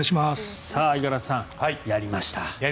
五十嵐さん、やりました。